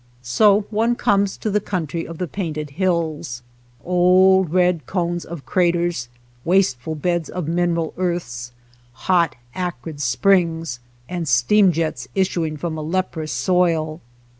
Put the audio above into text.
So one comes to the country of the painted hills, — old red cones of craters, wasteful beds of mineral earths, hot, acrid springs, and steam jets issuing from a leprous soil.